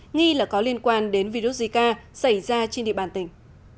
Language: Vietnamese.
nghi là có liên quan đến virus zika xảy ra trên địa bàn tỉnh